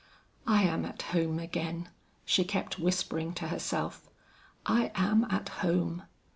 "I am at home again," she kept whispering to herself, "I am at home."